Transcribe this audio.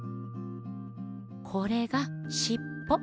これがしっぽ。